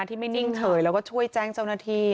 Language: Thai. ที่ไม่นิ่งเฉยแล้วก็ช่วยแจ้งเจ้าหน้าที่